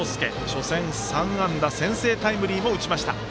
初戦、３安打先制タイムリーも打ちました。